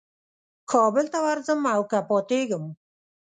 کابل ته ورځم او که پاتېږم.